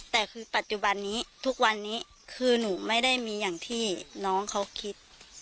แต่คือปัจจุบันนี้ทุกวันนี้คือหนูไม่ได้มีอย่างที่น้องเขาคิด